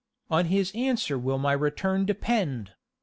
On his answer will my return depend!